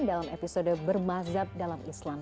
dalam episode bermazhab dalam islam